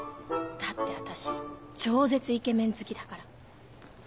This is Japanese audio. だって私超絶イケメン好きだから